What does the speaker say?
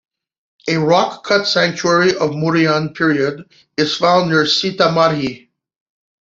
A Rock cut sanctuary of Mouryan period is found near Sitamarhi.